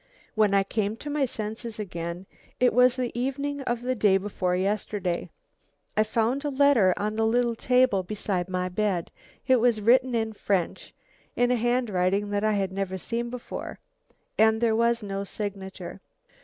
"When I came to my senses again it was the evening of the day before yesterday I found a letter on the little table beside my bed. It was written in French, in a handwriting that I had never seen before, and there was no signature.